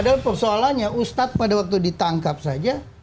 padahal persoalannya ustadz pada waktu ditangkap saja